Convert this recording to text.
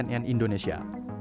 tim liputan cnn indonesia